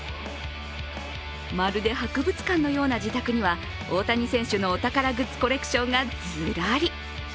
まるで博物館のような自宅には大谷選手のお宝グッズコレクションがズラリ。